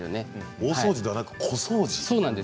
大掃除ではなく小掃除。